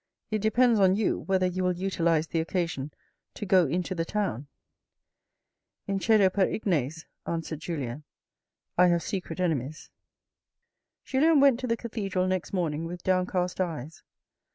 " It depends on you whether you will utilise the occasion to go into the town." " Incedo per ignes," answered Julien. (I have secret enemies). Julien went to the cathedral next morning with downcast eyes.